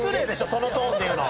そのトーンで言うの。